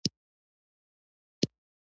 صحت ګټه ده.